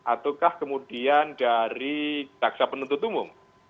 ataukah kemudian dari jaksa penuntut umum